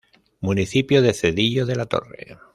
Municipio de Cedillo de la Torre.